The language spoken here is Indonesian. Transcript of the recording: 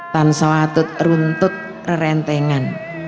tan sawatut runtut kerentengan